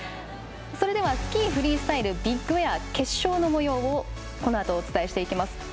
スキー・フリースタイルビッグエア決勝のもようをこのあとお伝えしていきます。